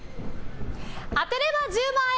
当てれば１０万円！